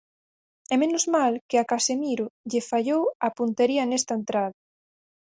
E menos mal que a Casemiro lle fallou a puntería nesta entrada.